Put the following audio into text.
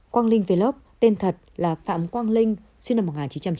quang linh vlog tên thật là phạm quang linh sinh năm một nghìn chín trăm chín mươi một